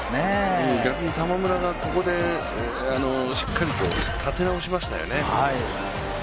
逆に玉村がここでしっかりと立て直しましたよね。